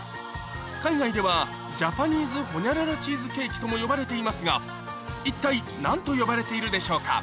海外ではジャパニーズホニャララチーズケーキとも呼ばれていますが一体何と呼ばれているでしょうか？